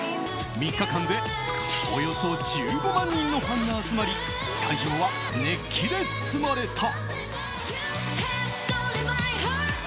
３日間でおよそ１５万人のファンが集まり会場は熱気で包まれた。